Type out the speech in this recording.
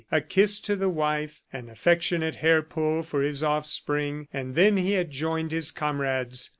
A kiss to the wife, an affectionate hair pull for his offspring, and then he had joined his comrades.